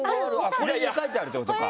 これに書いてあるってことか。